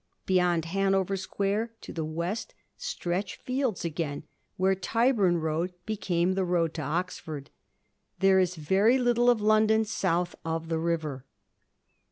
Beyond Hanover Square to the west stretch fields again, where Tyburn Road became the road to Oxford. There is very little of London south of the river.